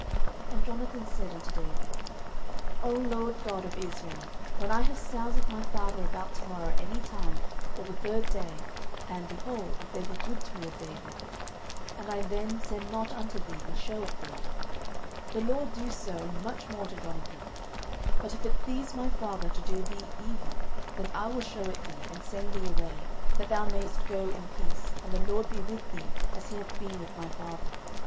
09:020:012 And Jonathan said unto David, O LORD God of Israel, when I have sounded my father about to morrow any time, or the third day, and, behold, if there be good toward David, and I then send not unto thee, and shew it thee; 09:020:013 The LORD do so and much more to Jonathan: but if it please my father to do thee evil, then I will shew it thee, and send thee away, that thou mayest go in peace: and the LORD be with thee, as he hath been with my father.